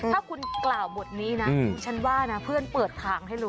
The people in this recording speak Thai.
ถ้าคุณกล่าวบทนี้นะฉันว่านะเพื่อนเปิดทางให้รู้